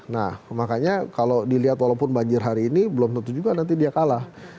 nah makanya kalau dilihat walaupun banjir hari ini belum tentu juga nanti dia kalah